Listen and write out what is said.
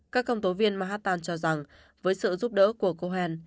các công tố viên manhattan cho rằng với sự giúp đỡ của cohen